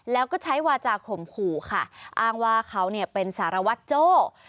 แล้วก็ใช้วาจาข่มขู่ค่ะอ้างว่าเขาเนี่ยเป็นสารวัตรโจ้